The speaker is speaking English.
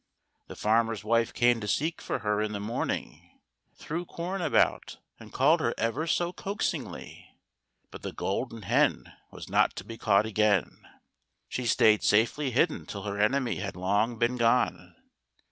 The farmer's wife came to seek for her in the morning, threw corn about and called her ever so coaxingly, but the Golden Hen was not to be caught again. She stayed safely hidden till her enemy had long been gone.